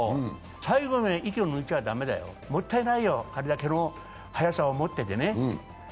最後まで息を抜いちゃだめだよ、もったいないよ、あれだけの速さを持っててね。